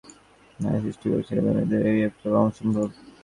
সংসাররক্ষার জন্যে বিধাতাকে এত নারী সৃষ্টি করতে হয়েছে যে তাঁদের এড়িয়ে চলা অসম্ভব।